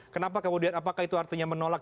kenapa kemudian apakah itu artinya menolak